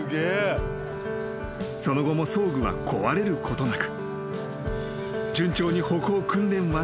［その後も装具は壊れることなく］